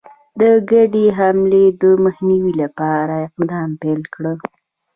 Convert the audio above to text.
د ګډي حملې د مخنیوي لپاره اقدام پیل کړ.